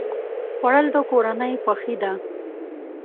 خوړل د کورنۍ خوښي ده